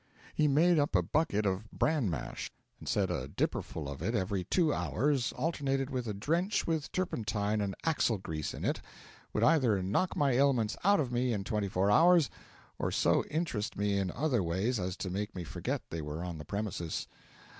He made up a bucket of bran mash, and said a dipperful of it every two hours, alternated with a drench with turpentine and axle grease in it, would either knock my ailments out of me in twenty four hours or so interest me in other ways as to make me forget they were on the premises.